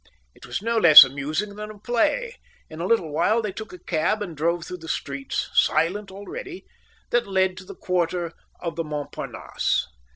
It was no less amusing than a play. In a little while, they took a cab and drove through the streets, silent already, that led to the quarter of the Montparnasse.